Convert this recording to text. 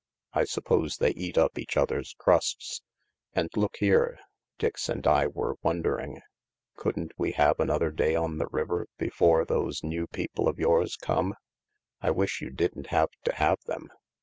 I suppose they eat up each other's crusts. And look here. Dix and I were wondering — couldn't we have another day on the river before those new people of yours come ? I wish you didn't have to have them.